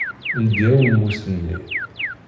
Ldi awemmus-nni.